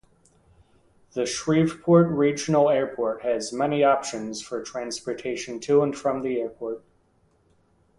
The Shreveport Regional Airport has many options for transportation to and from the airport.